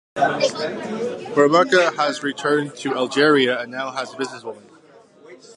Boulmerka has returned to Algeria and is now a businesswoman.